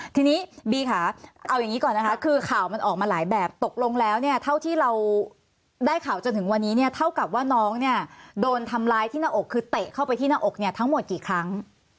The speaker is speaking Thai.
ทีนี้บีค่ะเอาอย่างนี้ก่อนนะคะคือข่าวมันออกมาหลายแบบตกลงแล้วเนี่ยเท่าที่เราได้ข่าวจนถึงวันนี้เนี่ยเท่ากับว่าน้องเนี่ยโดนทำร้ายที่หน้าอกคือเตะเข้าไปที่หน้าอกเนี่ยทั้งหมดกี่ครั้ง